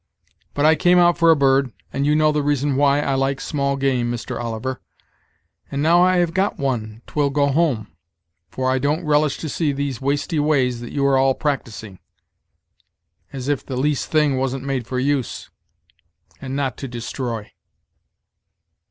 But I came out for a bird, and you know the reason why I like small game, Mr. Oliver, and now I have got one Twill go home, for I don't relish to see these wasty ways that you are all practysing, as if the least thing wasn't made for use, and not to destroy."